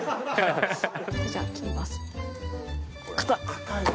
じゃあ切ります。